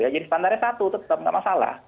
jadi standarnya satu tetap tidak masalah